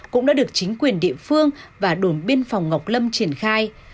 cũng đã được chính quyền địa phương và đồn biên phòng ngọc lâm triển khai